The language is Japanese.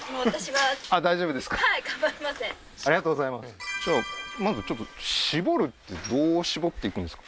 もう私はじゃあまずちょっと搾るってどう搾っていくんですか？